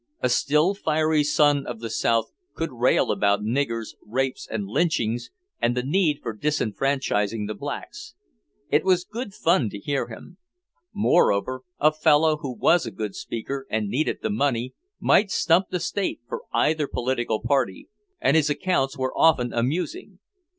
A still fiery son of the South could rail about niggers, rapes and lynchings and the need for disenfranchising the blacks. It was good fun to hear him. Moreover, a fellow who was a good speaker, and needed the money, might stump the state for either political party, and his accounts were often amusing.